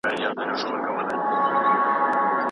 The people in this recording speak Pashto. هغه وخت چې وقایوي پاملرنه وشي، دردونه نه ژورېږي.